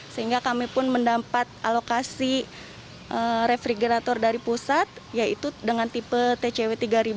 sehingga kami pun mendapat alokasi refrigerator dari pusat yaitu dengan tipe tcw tiga